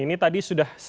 ini tadi sudah dikontrol